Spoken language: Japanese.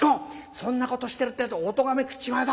そんなことしてるってえとおとがめ食っちまうぞ。